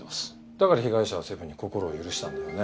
だから被害者はセブンに心を許したんだよね。